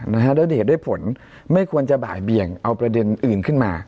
แล้วเหตุด้วยผลไม่ควรจะบ่ายเบียงเอาประเด็นอื่นขึ้นมา